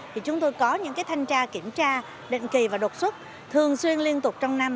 thì chúng tôi có những thanh tra kiểm tra định kỳ và đột xuất thường xuyên liên tục trong năm